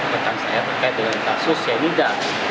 terkait dengan kasus yang tidak